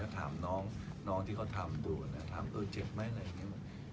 ที่น้องที่เขาทำดูนะด้วยเจ็บไหมอะไรอย่างนี้